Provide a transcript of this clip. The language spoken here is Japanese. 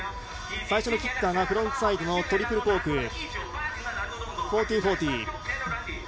最初のキッカーがフロントサイドのトリプルコーク１４４０。